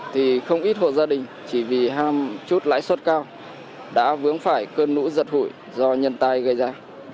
thì không ít hộ gia đình chỉ vì ham chốt lãi suất cao đã vướng phải cơn lũ giật hụi do nhân tai gây ra